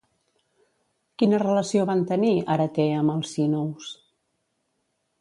Quina relació van tenir Areté amb Alcínous?